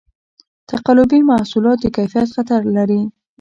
تقلبي محصولات د کیفیت خطر لري.